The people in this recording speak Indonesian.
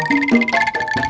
masih si blown